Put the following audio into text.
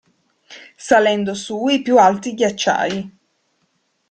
Salendo su i più alti ghiacciai.